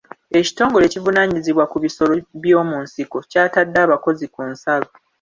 Ekitongole ekivunaanyizibwa ku bisolo by'omu nsiko kyatadde abakozi ku nsalo.